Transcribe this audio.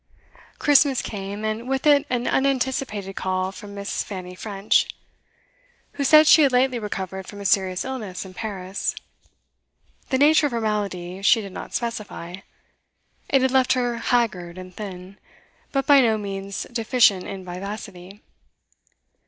Christmas came, and with it an unanticipated call from Miss. Fanny French, who said she had lately recovered from a serious illness in Paris; the nature of her malady she did not specify; it had left her haggard and thin, but by no means deficient in vivacity.